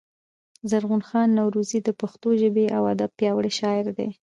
زرغون خان نورزى د پښتو ژبـي او ادب پياوړی شاعر دﺉ.